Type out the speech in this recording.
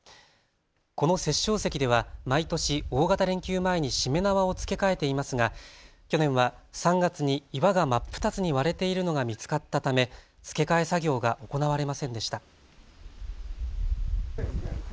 この殺生石では毎年大型連休前にしめ縄を付け替えていますが去年は３月に岩が真っ二つに割れているのが見つかったため付け替え作業が行われませんでした。